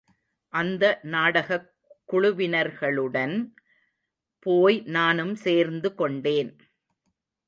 அந்த நாடகக் குழுவினர்களுடன் போய் நானும் சேர்ந்துகொண்டேன்.